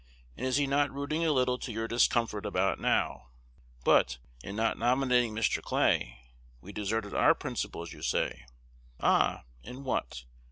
and is he not rooting a little to your discomfort about now? But, in not nominating Mr. Clay, we deserted our principles, you say. Ah! in what?